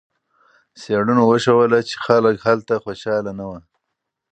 څېړنو وښودله چې خلک هلته خوشحاله نه وو.